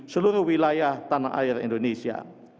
seluruh wilayah tanah air indonesia